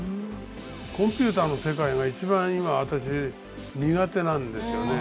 コンピューターの世界が一番今私苦手なんですよね。